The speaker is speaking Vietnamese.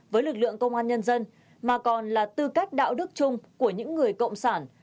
với lực lượng công an nhân dân mà còn là tư cách đạo đức chung của những người cộng sản